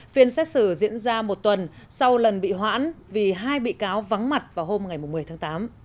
phiên xét xử diễn ra một tuần sau lần bị hoãn vì hai bị cáo vắng mặt vào hôm một mươi tháng tám